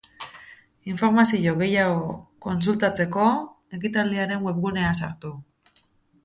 Informazio gehiago kontsultatzeko, ekitaldiaren webgunera sartu.